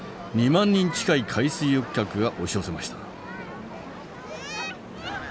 ２万人近い海水浴客が押し寄せました。